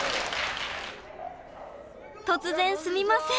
突然すみません！